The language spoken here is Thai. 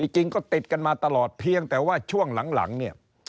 จริงก็ติดกันมาตลอดเพียงแต่ว่าช่วงหลังเนี่ย